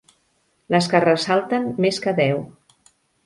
Les que ressalten més que deu.